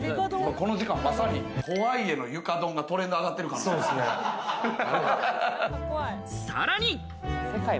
この時間、まさにホワイエの床ドンがトレンド上がってる可能性あさらに。